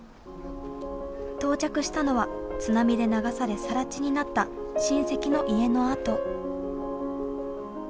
到着したのは津波で流されさら地になった親戚の家の跡。